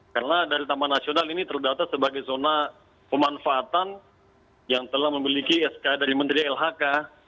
karena dari taman nasional ini terdata sebagai zona pemanfaatan yang telah memiliki sk dari menteri lhk